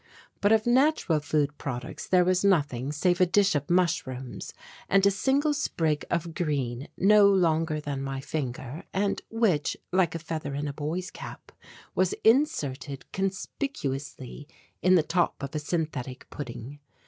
But of natural food products there was nothing save a dish of mushrooms and a single sprig of green no longer than my finger, and which, like a feather in a boy's cap, was inserted conspicuously in the top of a synthetic pudding.